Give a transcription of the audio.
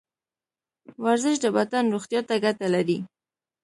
ورزش د بدن روغتیا ته ګټه لري.